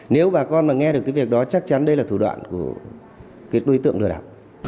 nếu bà con nghe được cái việc đó chắc chắn đây là thủ đoạn của đối tượng lừa đảo